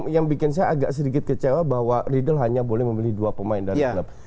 yang bikin saya agak sedikit kecewa bahwa riedel hanya boleh memilih dua pemain dari klub